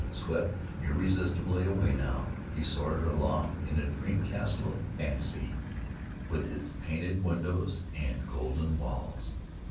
Swept irresistibly away now, he soared aloft in a dream castle of fancy with its painted windows and golden walls.